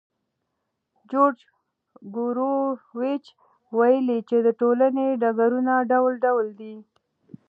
جورج ګوروویچ ویلي چې د ټولنې ډګرونه ډول ډول دي.